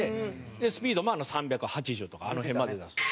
でスピードも３８０とかあの辺まで出す。